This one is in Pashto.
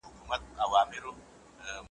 څو مجمر د آسمان تود وي .